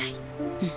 うん。